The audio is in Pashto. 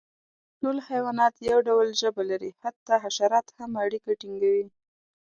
ټول حیوانات یو ډول ژبه لري، حتی حشرات هم اړیکه ټینګوي.